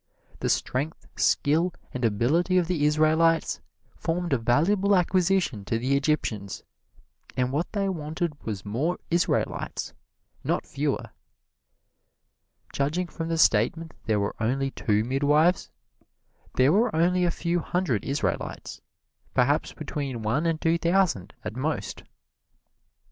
The strength, skill and ability of the Israelites formed a valuable acquisition to the Egyptians, and what they wanted was more Israelites, not fewer. Judging from the statement that there were only two midwives, there were only a few hundred Israelites perhaps between one and two thousand, at most.